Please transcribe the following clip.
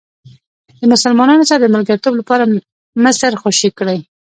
د مسلمانانو سره د ملګرتوب لپاره مصر خوشې کړئ.